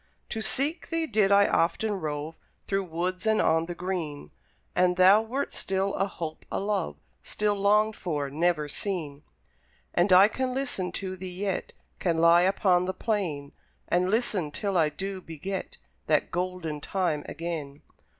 To seek thee did I often rove Through woods and on the green; And thou wert still a hope, a love; Still longed for, never seen. And I can listen to thee yet; Can lie upon the plain And listen, till I do beget That golden time again.